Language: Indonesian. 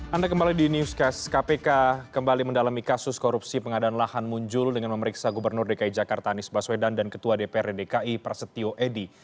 anda kembali di newscast kpk kembali mendalami kasus korupsi pengadaan lahan muncul dengan memeriksa gubernur dki jakarta anies baswedan dan ketua dprd dki prasetyo edy